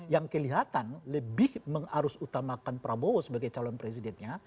yang kelihatan lebih mengarus utamakan prabowo sebagai calon presidennya